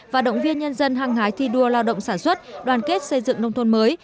và động viên nhân dân hăng hái thi đua lao động sản xuất đoàn kết xây dựng nông thôn mới